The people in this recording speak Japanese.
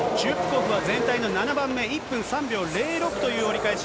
全体の７番目、１分３秒０６という折り返し。